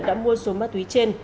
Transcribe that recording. đã mua số ma túy trên